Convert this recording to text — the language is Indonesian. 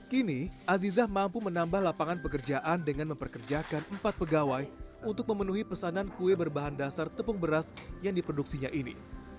kini aziza mampu menambah lapangan pekerjaan dengan memperkerjakan empat pegawai untuk memenuhi pesanan kue berbahan dasar tepung beras yang diproduksinya ini